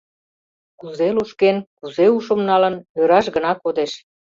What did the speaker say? Кузе лушкен, кузе ушым налын — ӧраш гына кодеш.